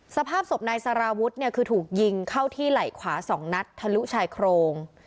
สภาพศพนายสารวุฒิเนี่ยคือถูกยิงเข้าที่ไหล่ขวา๒นัดทะลุชายโครง